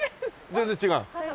全然違う？